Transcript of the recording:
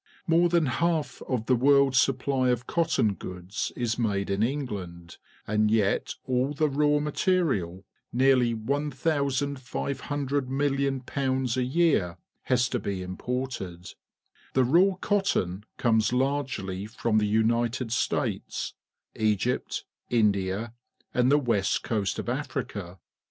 More than half of the world's supply of cotton goods is made in England, and yet all the raw material— nearly 1,500,000,000 pounds a year — has to be imported. The . raw cottoji comes largely from the United States,^ Egyp^India, and the west coast of Africa.